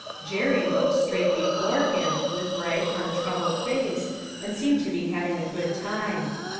Jerry looked straight before him, with bright, untroubled face, and seemed to be having a good time.